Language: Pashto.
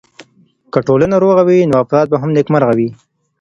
که ټولنه روغه وي نو افراد به هم نېکمرغه وي.